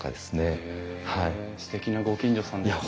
へえすてきなご近所さんですね。